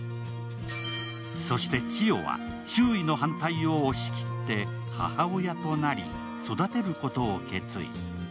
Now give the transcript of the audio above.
そして千代は周囲の反対を押し切って母親となり育てることを決意。